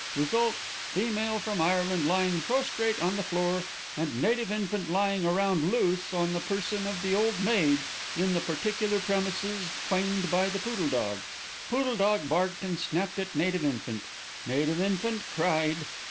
Result, female from Ireland lying prostrate on the floor, and native infant lying around loose on the person of the old maid, in the particular premises claimed by the poodle dog. Poodle dog barked and snapped at native infant; native infant cried.